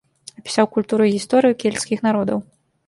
Апісаў культуру і гісторыю кельцкіх народаў.